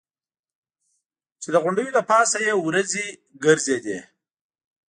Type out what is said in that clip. چې د غونډیو له پاسه یې ورېځې ګرځېدې.